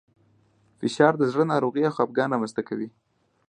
فشار د زړه ناروغۍ او خپګان رامنځ ته کوي.